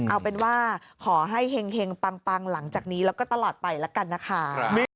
เอาเป็นว่าขอให้เห็งปังหลังจากนี้แล้วก็ตลอดไปละกันนะคะ